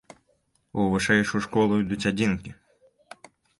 У вышэйшую школу ідуць адзінкі.